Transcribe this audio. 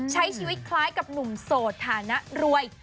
ใช้ชีวิตคล้ายกับหนุ่มโสดฐานะรวย